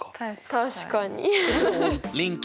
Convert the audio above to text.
確かに。